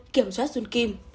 một kiểm soát dung kim